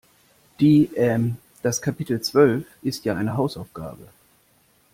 Die, ähm, das Kapitel zwölf ist ja eine Hausaufgabe.